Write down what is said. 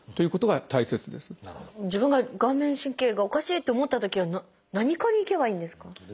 自分が顔面神経がおかしいって思ったときは何科に行けばいいんですか？